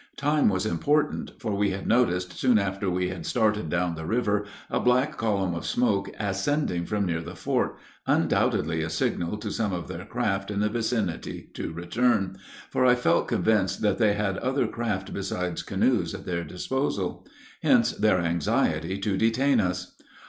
Time was important, for we had noticed soon after we had started down the river a black column of smoke ascending from near the fort, undoubtedly a signal to some of their craft in the vicinity to return, for I felt convinced that they had other craft besides canoes at their disposal; hence their anxiety to detain us.